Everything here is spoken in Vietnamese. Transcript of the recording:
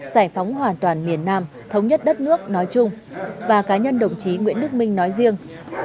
giải phóng hoàn toàn miền nam thống nhất đất nước nói chung và cá nhân đồng chí nguyễn đức minh nói riêng